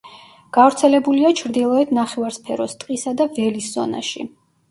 გავრცელებულია ჩრდილოეთ ნახევარსფეროს ტყისა და ველის ზონაში.